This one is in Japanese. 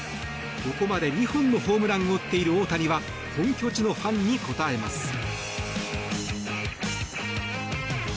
ここまで２本のホームランを打っている大谷は本拠地のファンに応えます。